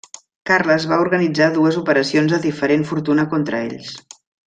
Carles va organitzar dues operacions de diferent fortuna contra ells.